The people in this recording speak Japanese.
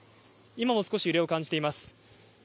今も少し揺れを感じています。